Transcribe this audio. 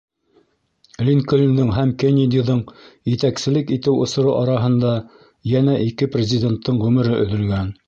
Линкольндың һәм Кеннедиҙың етәкселек итеү осоро араһында йәнә ике президенттың ғүмере өҙөлгән.